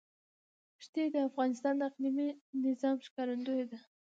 ښتې د افغانستان د اقلیمي نظام ښکارندوی ده.